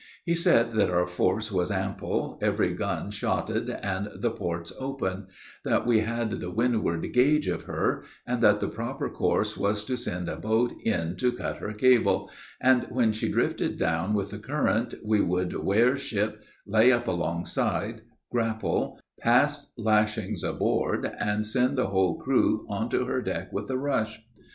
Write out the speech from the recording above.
He said that our force was ample, every gun shotted, and the ports open: that we had the windward gauge of her, and that the proper course was to send a boat in to cut her cable, and, when she drifted down with the current, we would ware ship, lay up alongside, grapple, pass lashings aboard, and send the whole crew on to her deck with a rush.